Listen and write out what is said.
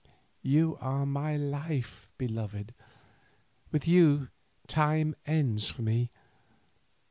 "You are my life, beloved. With you time ends for me."